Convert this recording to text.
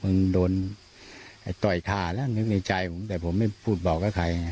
มึงโดนไอ้ต้อยค่ายากลัวในใจผมแต่ผมไม่พูดบอกให้ใครไง